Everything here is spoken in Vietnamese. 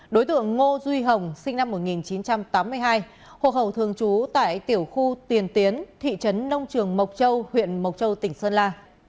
đối tượng ngô duy hồng sinh năm một nghìn chín trăm tám mươi hai hộ khẩu thường trú tại tiểu khu tiền tiến thị trấn nông trường mộc châu huyện mộc châu tỉnh sơn la